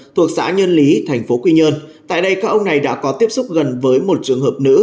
thuộc xã nhân lý thành phố quy nhơn tại đây các ông này đã có tiếp xúc gần với một trường hợp nữ